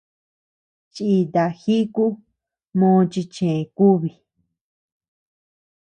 Chìta jíku mo chi chë kúbi.